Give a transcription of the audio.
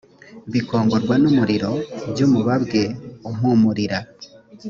bikongorwa n’umuriro by’umubabwe umpumurira